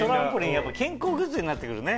やっぱ健康グッズになって来るね